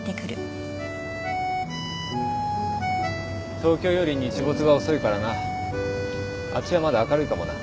東京より日没が遅いからなあっちはまだ明るいかもな。